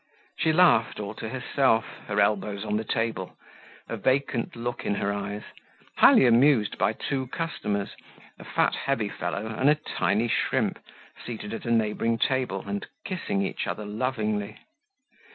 She laughed all to herself, her elbows on the table, a vacant look in her eyes, highly amused by two customers, a fat heavy fellow and a tiny shrimp, seated at a neighboring table, and kissing each other lovingly.